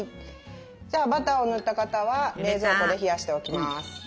じゃあバターを塗った型は冷蔵庫で冷やしておきます。